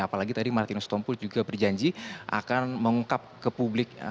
apalagi tadi martinus tompu juga berjanji akan mengungkap ke publik